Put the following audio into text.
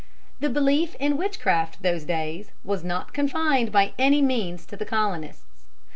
The belief in witchcraft in those days was not confined by any means to the colonists.